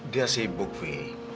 dia sibuk fee